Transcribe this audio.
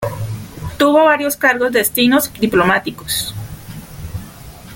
Tuvo varios cargos destinos diplomáticos.